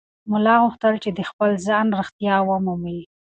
ملا غوښتل چې د خپل ځان رښتیا ومومي.